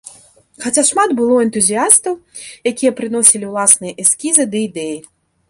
Хаця шмат было энтузіястаў, якія прыносілі ўласныя эскізы ды ідэі.